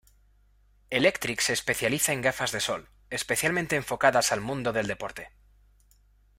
Electric se especializa en gafas de sol, especialmente enfocadas al mundo del deporte.